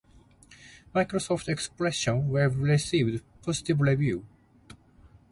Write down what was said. Microsoft Expression Web received positive reviews.